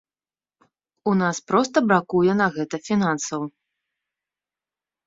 У нас проста бракуе на гэта фінансаў.